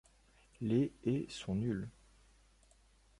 Les et sont nulles.